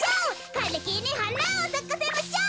かれきにはなをさかせましょう！」。